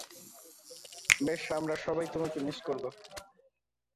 বেশ, আমরা সবাই তোমাকে মিস করব।